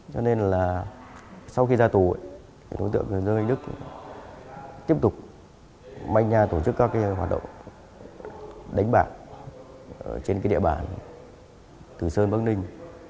cho nên là sau khi ra tù đối tượng dơ anh đức tiếp tục manh nha tổ chức các hoạt động đánh bạc trên địa bàn từ sơn bắc ninh